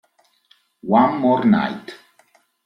One More Night